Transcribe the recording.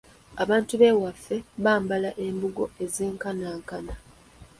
Abantu b'ewaffe bambala embugo ezenkanankana.